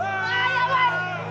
やばい！